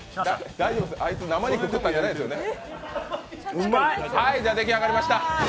大丈夫ですか、あいつ生肉食ったんじゃないですよね。